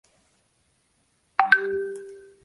Es el palacio de mayores dimensiones de la ciudad.